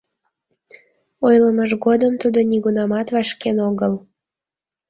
Ойлымыж годым тудо нигунамат вашкен огыл.